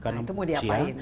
nah itu mau diapain